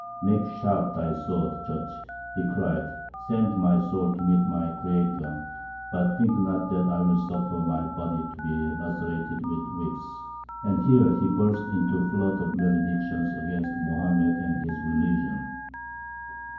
"Make sharp thy sword, judge," he cried; "send my soul to meet my Creator; but think not that I will suffer my body to be lacerated with whips." And here he burst into a flood of maledictions against Mohammed and his religion.